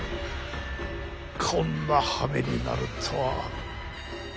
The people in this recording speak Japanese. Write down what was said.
こんなはめになるとは。